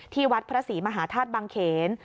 วัดพระศรีมหาธาตุบังเขน